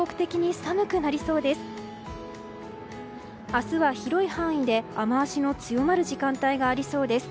明日は広い範囲で雨脚が強まる時間帯がありそうです。